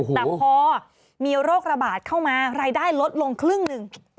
แต่พอมีโรคระบาดเข้ามารายได้ลดลงครึ่งหนึ่ง